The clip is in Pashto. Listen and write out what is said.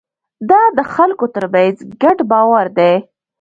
دا د خلکو ترمنځ ګډ باور دی.